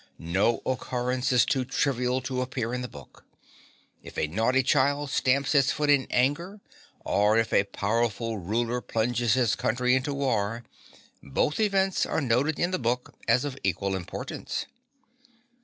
No occurrence is too trivial to appear in the book. If a naughty child stamps its foot in anger, or if a powerful ruler plunges his country into war, both events are noted in the book, as of equal importance.